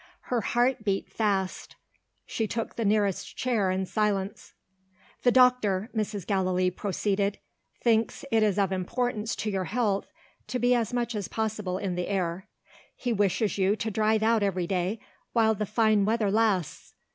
Her heart beat fast. She took the nearest chair in silence. "The doctor," Mrs. Gallilee proceeded, "thinks it of importance to your health to be as much as possible in the air. He wishes you to drive out every day, while the fine weather lasts.